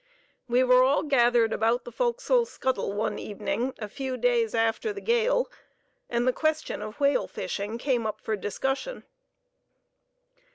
We were all gathered about the fo'lk'sle scuttle one evening, a few days after the gale, and the question of whale fishing came up for discussion.